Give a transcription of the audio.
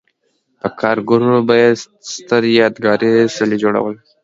په کارګرو به یې ستر یادګاري څلي جوړول.